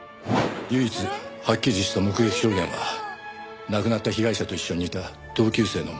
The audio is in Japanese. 唯一はっきりした目撃証言は亡くなった被害者と一緒にいた同級生のものだけだ。